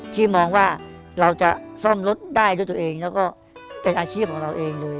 ที่มองว่าเราจะซ่อมรถได้ด้วยตัวเองแล้วก็เป็นอาชีพของเราเองเลย